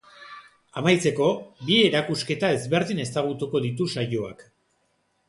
Amaitzeko, bi erakusketa ezberdin ezagutuko ditu saioak.